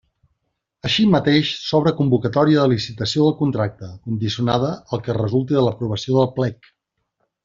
Així mateix, s'obre convocatòria de licitació del contracte, condicionada al que resulti de l'aprovació del Plec.